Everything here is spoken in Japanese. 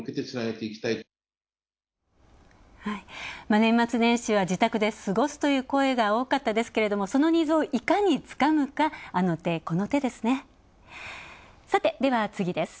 年末年始は自宅で過ごすという声が多かったですけれどもそのニーズをいかにつかむか、あの手、この手ですね。